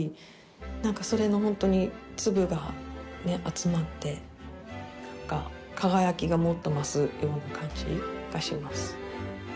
それのほんとに粒がね集まって輝きがもっと増すような感じがします。